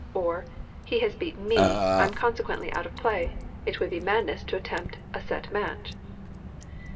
or "He has beaten me, I am consequently out of play. It would be madness to attempt a set match."